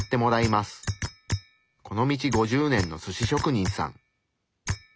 この道５０年のすし職人さん。